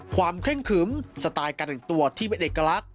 เคร่งขึมสไตล์การแต่งตัวที่เป็นเอกลักษณ์